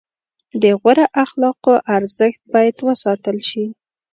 د غوره اخلاقو ارزښت باید وساتل شي.